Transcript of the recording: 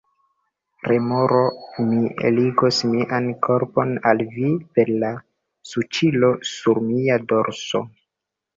Remoro: "Mi ligos mian korpon al vi per la suĉilo sur mia dorso!"